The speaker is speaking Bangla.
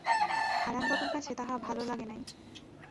হারানবাবুর কাছে তাহা ভালো লাগে নাই।